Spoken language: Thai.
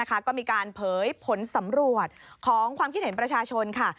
ก็มีการเผยผลสำรวจของความคิดเห็นประชาชนค่ะ